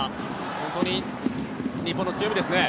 本当に日本の強みですね。